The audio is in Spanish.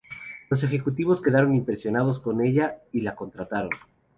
Los ejecutivos quedaron impresionados con ella y la contrataron.